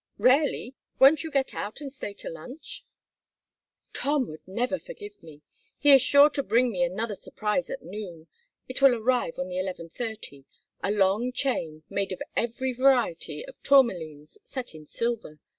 "Rarely. Won't you get out and stay to lunch?" "Tom would never forgive me. He is sure to bring me another surprise at noon it will arrive on the 11.30 a long chain made of every variety of tourmalines set in silver.